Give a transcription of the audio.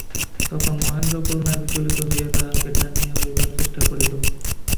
তখন মহেন্দ্র করুণায় বিচলিত হইয়া তাহাকে টানিয়া লইবার চেষ্টা করিল।